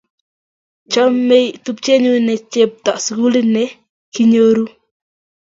chomei tupchenyu ne chepto sukulit ne kinyoru